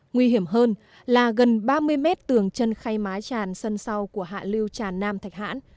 nguy hiểm hơn là gần ba mươi mét tường chân khay mái tràn sân sau của hạ lưu tràn nam thạch hãn